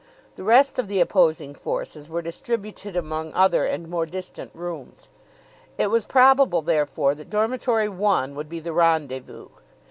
The rest of the opposing forces were distributed among other and more distant rooms. It was probable, therefore, that Dormitory One would be the rendezvous.